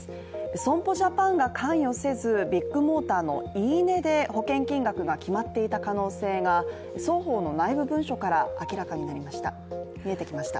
損保ジャパンが関与せず、ビッグモーターの言い値で保険金額が決まっていた可能性が双方の内部文書から見えてきました。